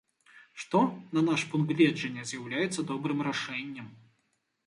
Што, на наш пункт гледжання, з'яўляецца добрым рашэннем.